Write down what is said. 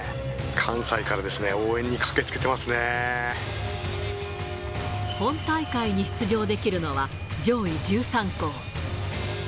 関西からですね、本大会に出場できるのは上位１３校。